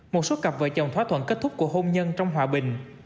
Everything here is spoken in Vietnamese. một số cặp vợ chồng thỏa thuận kết thúc của hôn nhân trong hòa bình